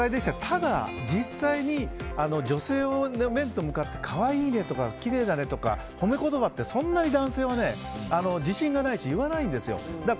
ただ実際に女性に面と向かってかわいいねとか、きれいだねとか褒め言葉ってそんなに男性は自信がないし言わないんですよ。